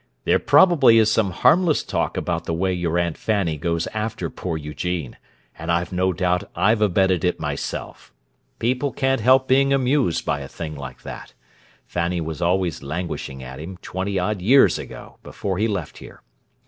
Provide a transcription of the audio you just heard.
"There probably is some harmless talk about the way your Aunt Fanny goes after poor Eugene, and I've no doubt I've abetted it myself. People can't help being amused by a thing like that. Fanny was always languishing at him, twenty odd years ago, before he left here.